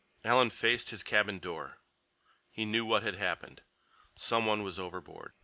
Alan faced his cabin door. He knew what had happened. Someone was overboard.